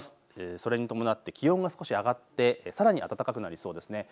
それに伴って気温が少し上がってさらに暖かくなりそうです。